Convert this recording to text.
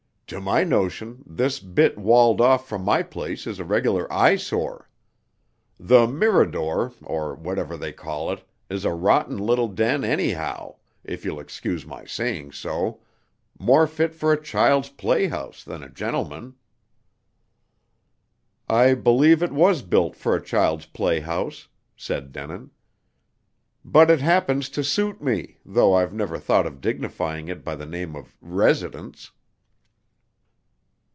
"To my notion, this bit walled off from my place is a regular eyesore. The Mirador, or whatever they call it, is a rotten little den anyhow, if you'll excuse my saying so, more fit for a child's playhouse than a gentleman." "I believe it was built for a child's playhouse," said Denin. "But it happens to suit me, though I've never thought of dignifying it by the name of 'residence.'"